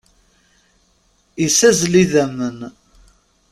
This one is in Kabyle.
Issazzel idammen.